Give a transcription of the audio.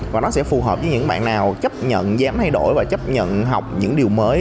và nó sẽ phù hợp với những bạn nào chấp nhận dám thay đổi và chấp nhận học những điều mới